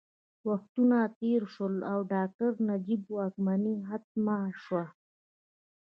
وختونه تېر شول او ډاکټر نجیب واکمني ختمه شوه